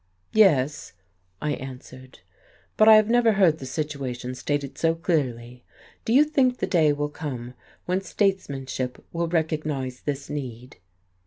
"Yes," I answered. "But I have never heard the situation stated so clearly. Do you think the day will come when statesmanship will recognize this need?"